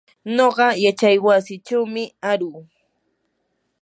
nuqa yachaywasichumi aruu.